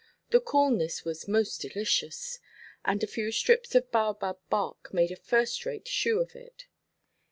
The coolness was most delicious, and a few strips of baobab bark made a first–rate shoe of it.